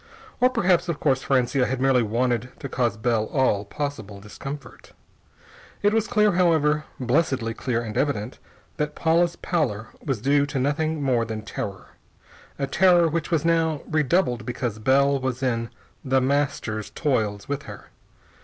Or perhaps, of course, Francia had merely wanted to cause Bell all possible discomfort. It was clear, however, blessedly clear and evident, that Paula's pallor was due to nothing more than terror a terror which was now redoubled because Bell was in The Master's toils with her.